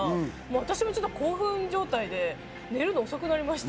私もちょっと興奮状態で寝るのが遅くなりました。